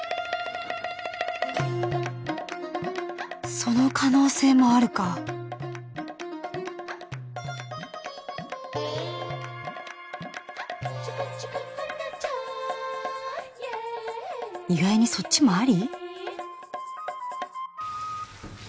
その可能性もあるか意外にそっちもあり？